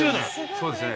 ・そうですね。